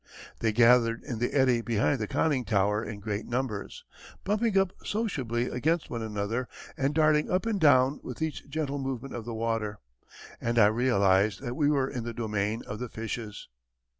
They gathered in the eddy behind the conning tower in great numbers, bumping up sociably against one another and darting up and down with each gentle movement of the water. And I realized that we were in the domain of the fishes.